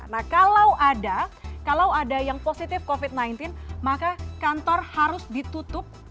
nah kalau ada kalau ada yang positif covid sembilan belas maka kantor harus ditutup